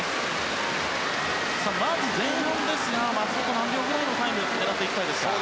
まず前半ですが松元、何秒ぐらいのタイムを狙っていきたいですか？